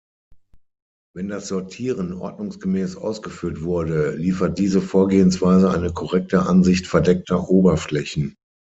Wenn das Sortieren ordnungsgemäß ausgeführt wurde, liefert diese Vorgehensweise eine korrekte Ansicht verdeckter Oberflächen.